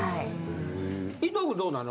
伊藤くんどうなの？